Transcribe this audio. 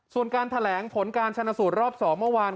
ส่วนการแถลงผลการชนะสูตรรอบ๒เมื่อวาน